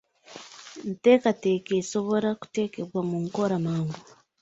Enteekateeka esobola okuteekebwa mu nkola mangu.